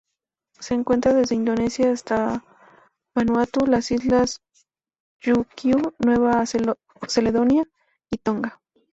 Se encuentra desde Indonesia hasta Vanuatu, las Islas Ryukyu, Nueva Caledonia y Tonga.